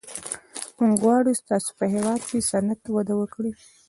موږ غواړو ستاسو په هېواد کې صنعت وده وکړي